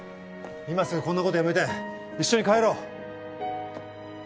今すぐこんな事やめて一緒に帰ろう。